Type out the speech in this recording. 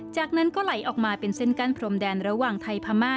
จากนั้นก็ไหลออกมาเป็นเส้นกั้นพรมแดนระหว่างไทยพม่า